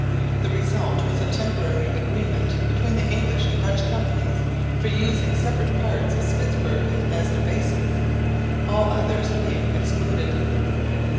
The result was a temporary agreement between the English and Dutch companies for using separate parts of Spitsbergen as their bases, all others being excluded.